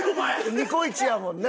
ニコイチやもんね？